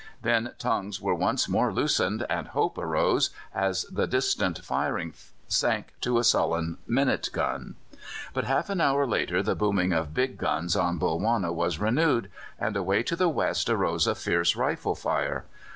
Then tongues were once more loosened, and hope arose as the distant firing sank to a sullen minute gun. But half an hour later the booming of big guns on Bulwana was renewed, and away to the west arose a fierce rifle fire.